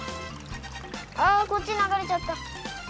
あこっち流れちゃった。